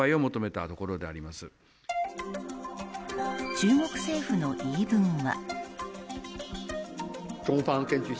中国政府の言い分は。